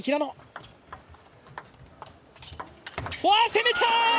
攻めた！